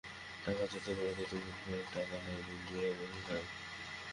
টাকা যতই বাড়ে ততই মনে হয়, টাকা নাই বলিলেই হয়।